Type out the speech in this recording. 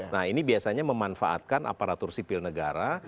nah ini biasanya memanfaatkan aparatur sipil negara